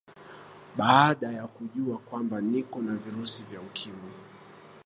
baada ya kujua kwamba niko na virusi vya ukimwi